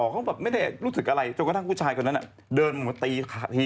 กลัวว่าผมจะต้องไปพูดให้ปากคำกับตำรวจยังไง